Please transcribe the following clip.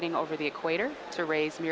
ini akan melakukan dua penyakit